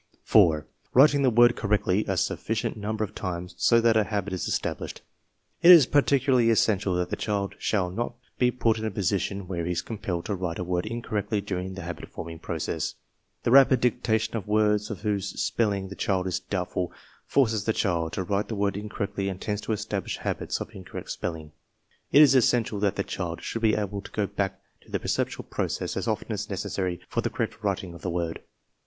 4. Writing the word correctly a sufficient number of times so that a habit is established. It is particularly es sential that the child shall not be put in a position where he is compelled to write a word incorrectly during the habit forming process. The rapid dictation of words of whose spelling the child is doubtful forces the child to write the word incorrectly and tends to establish habits of incorrect spelling. It is essential that the child should be able to go back to the perceptual process as often as necessary for the correct writing of the word.